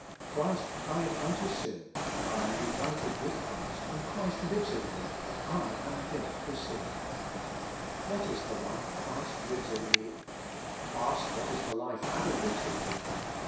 Christ died unto sin, and I am united with Christ, and Christ lives in me and DEAD n nil C/IRIST 119 I am dead to sin." What is the life Christ lives in me ? Ask what is the life Adam lives in me?